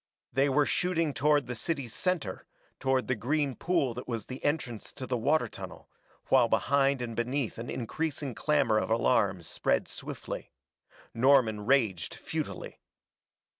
They were shooting toward the city's center, toward the green pool that was the entrance to the water tunnel, while behind and beneath an increasing clamor of alarm spread swiftly. Norman raged futilely.